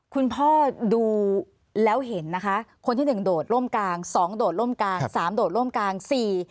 คนที่หนึ่งโดดล่มกลางสองโดดล่มกลางสามโดดล่มกลางสี่